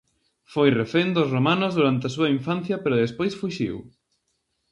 Foi refén dos romanos durante a súa infancia pero despois fuxiu.